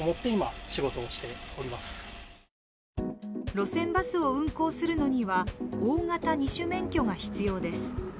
路線バスを運行するには大型２種免許が必要です。